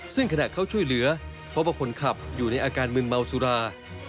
ซึ่งขณะเข้าช่วยเหลือพบว่าคนขับอยู่ในอาการมึนเมาสุรา